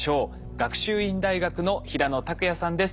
学習院大学の平野琢也さんです。